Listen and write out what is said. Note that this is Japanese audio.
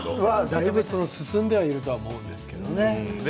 だいぶ進んではいると思うんですけれどね。